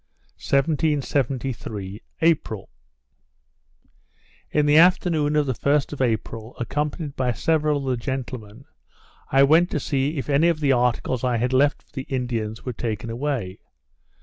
1773 April In the afternoon of the 1st of April, accompanied by several of the gentlemen, I went to see if any of the articles I had left for the Indians were taken away.